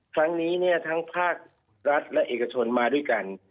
ครั้งนี้เนี่ยทั้งภาครัฐและเอกชนมาด้วยกัน